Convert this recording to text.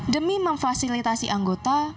demi memfasilitasi anggota